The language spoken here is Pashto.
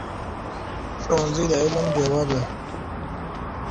ښوونځی د علم ډېوه ده.